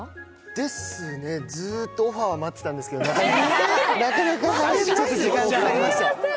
ですね、ずっとオファー待ってたんですけど、なかなか時間がかかりました。